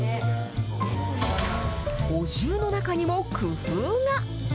お重の中にも工夫が。